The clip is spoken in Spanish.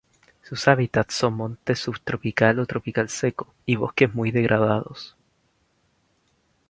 Sus hábitats son montes subtropical o tropical seco, y bosques muy degradados.